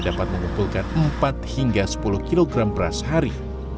dapat mengumpulkan empat hingga sepuluh kilogram beras sehari